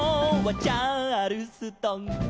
「チャールストン」